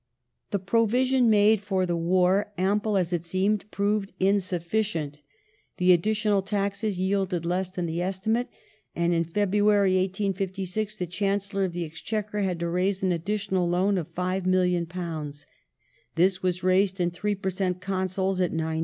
The provision made for the war, ample as it seemed, proved in sufficient ; the additional taxes yielded less than the estimate ; and in February, 1856, the Chancellor of the Exchequer had to raise an additional loan of £5,000,000. This was raised in 3 per cent. Consols at 90.